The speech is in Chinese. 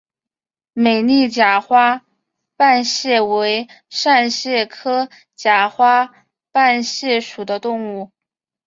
美丽假花瓣蟹为扇蟹科假花瓣蟹属的动物。